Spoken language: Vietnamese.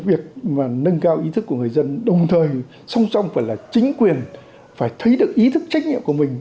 việc nâng cao ý thức của người dân đồng thời song song phải là chính quyền phải thấy được ý thức trách nhiệm của mình